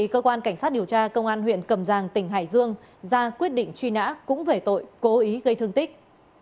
cơ quan cảnh sát điều tra công an huyện cầm giang tỉnh hải dương ra quyết định truy nã cũng về tội cố ý gây thương tích